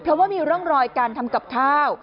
เพราะว่ามีร่องรอยการทำกับข้าว